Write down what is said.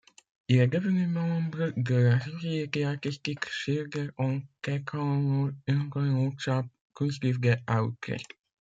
Il est devenu membre de la société artistique Schilder-en teekengenootschap Kunstliefde à Utrecht.